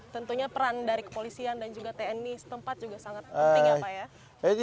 tentunya peran dari kepolisian dan juga tni setempat juga sangat penting ya pak ya